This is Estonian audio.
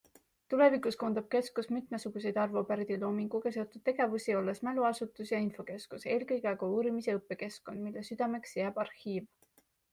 Tulevikus koondab keskus mitmesuguseid Arvo Pärdi loominguga seotud tegevusi, olles mäluasutus ja infokeskus, eelkõige aga uurimis- ja õppekeskkond, mille südameks jääb arhiiv.